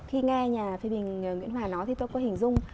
khi nghe nhà phê bình nguyễn hòa nói thì tôi có hình dung